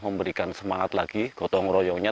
memberikan semangat lagi gotong royongnya